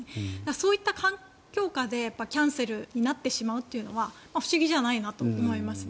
そういった環境下でキャンセルになってしまうっていうのは不思議じゃないなと思います。